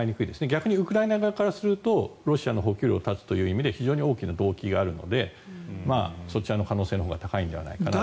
逆にウクライナ側からするとロシアの補給路を断つという非常に大きな動機があるのでそちらの可能性のほうが高いんじゃないかなと。